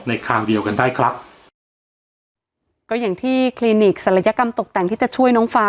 ทางเดียวกันได้ครับก็อย่างที่คลินิกศัลยกรรมตกแต่งที่จะช่วยน้องฟ้า